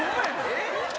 えっ！？